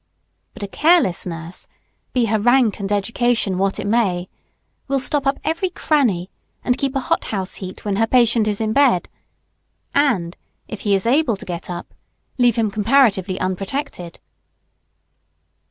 But a careless nurse, be her rank and education what it may, will stop up every cranny and keep a hot house heat when her patient is in bed, and, if he is able to get up, leave him comparatively unprotected.